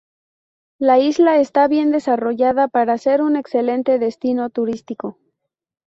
La isla está bien desarrollada para ser un excelente destino turístico.